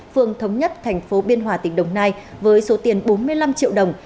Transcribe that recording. phường thống nhất tp biên hòa tỉnh đồng nai với số tiền bốn mươi năm triệu đồng